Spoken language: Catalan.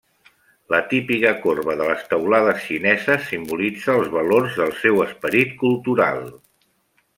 La típica corba de les teulades xineses simbolitza els valors del seu esperit cultural.